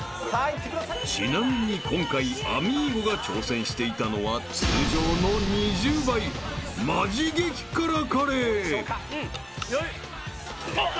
［ちなみに今回アミーゴが挑戦していたのは通常の２０倍マジ激辛カレー］おっおおっ。